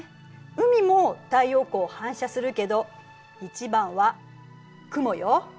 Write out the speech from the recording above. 海も太陽光を反射するけど一番は雲よ。